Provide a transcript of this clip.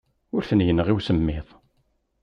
Ur ten-yenɣi usemmiḍ.